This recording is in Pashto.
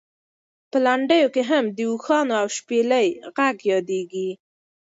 په لنډیو کې هم د اوښانو او شپېلۍ غږ یادېږي.